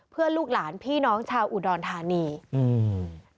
เพื่อลูกหลานพี่น้องชาวอุดรธานีอืม